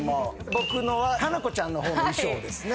僕のは佳菜子ちゃんの方の衣装ですね。